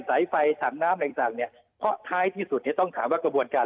สายไฟถังน้ำอะไรต่างเนี่ยเพราะท้ายที่สุดเนี่ยต้องถามว่ากระบวนการ